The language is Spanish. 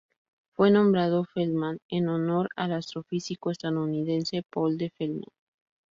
Fue nombrado Feldman en honor al astrofísico estadounidense Paul D. Feldman.